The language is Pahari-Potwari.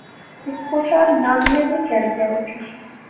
نکوٹا نانیاں نے کہر گیا اُٹھی